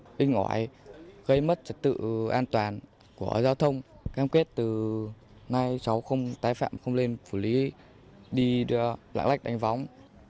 đánh ngõi gây mất trật tự an toàn của giao thông cam kết từ nay cháu không tái phạm không lên phủ lý đi lạng lách đánh võng